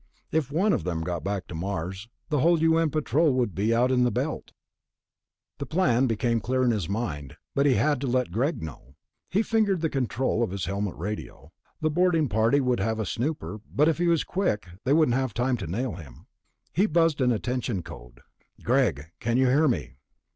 If one of them got back to Mars, the whole U.N. Patrol would be out in the Belt.... The plan became clear in his mind, but he had to let Greg know. He fingered the control of his helmet radio. The boarding party would have a snooper, but if he was quick, they wouldn't have time to nail him. He buzzed an attention code. "Greg? Can you hear me?"